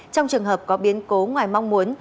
trong trường hợp có biến cố ngoài mong muốn